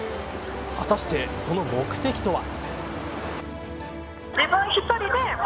果たして、その目的とは。